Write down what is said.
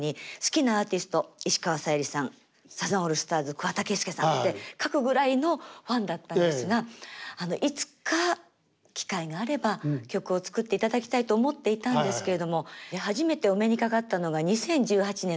桑田佳祐さんって書くぐらいのファンだったんですがいつか機会があれば曲を作っていただきたいと思っていたんですけれども初めてお目にかかったのが２０１８年の「紅白歌合戦」だったんです。